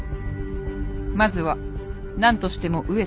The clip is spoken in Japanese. まずは何としても上様